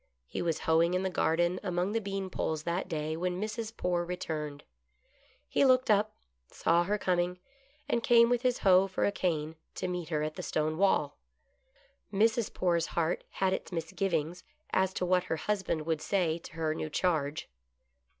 He was hoeing in the garden among the bean poles that day when Mrs. Poore returned. He looked up, saw her coming, and came with his hoe for a cane to meet her at the stone wall. Mrs. Poore's heart had its misgivings as to what her husband would say to her new charge.